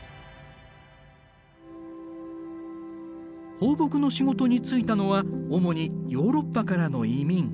放牧の仕事に就いたのは主にヨーロッパからの移民。